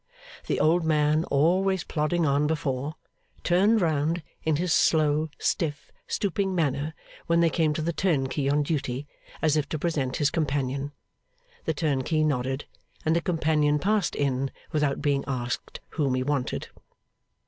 The old man always plodding on before, turned round, in his slow, stiff, stooping manner, when they came to the turnkey on duty, as if to present his companion. The turnkey nodded; and the companion passed in without being asked whom he wanted.